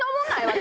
私。